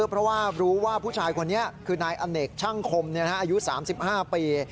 เพราะว่ารู้ว่าผู้ชายคนนี้คือนายอเนกช่างคมอายุ๓๕ปี